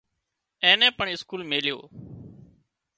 اين نين پڻ اسڪول ميليو